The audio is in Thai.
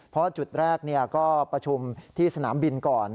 เพราะจุดแรกก็ประชุมที่สนามบินก่อน